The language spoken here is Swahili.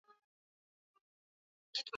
Mababu wanatuambia hawa watu wote wamehamia Mara